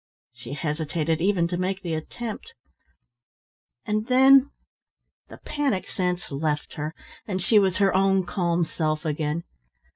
She hesitated even to make the attempt; and then the panic sense left her, and she was her own calm self again.